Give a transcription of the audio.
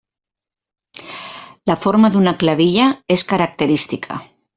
La forma d'una clavilla és característica.